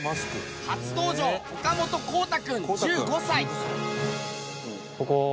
初登場岡本興大君１５歳。